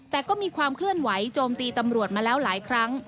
แต่ก็มีความเคลื่อนไหวโจมตีตำรวจมาแล้วหลายครั้ง